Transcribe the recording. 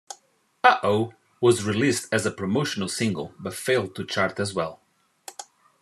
"Ooh Ooh" was released as a promotional single, but failed to chart as well.